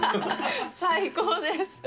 最高です。